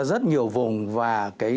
rất nhiều vùng và